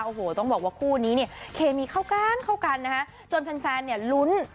โอ้โหต้องบอกว่าคู่นี้เนี่ยเคมีเข้ากันจนแฟนเนี่ยลุ้น